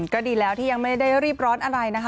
ก็ดีแล้วที่ยังไม่ได้รีบร้อนอะไรนะคะ